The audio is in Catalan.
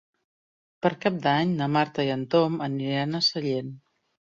Per Cap d'Any na Marta i en Tom aniran a Sellent.